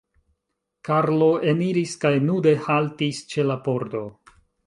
Karlo eniris kaj nude haltis ĉe la pordo.